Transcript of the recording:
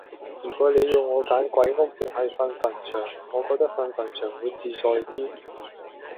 如果你要我揀鬼屋定係瞓墳場，我覺得瞓墳場會自在啲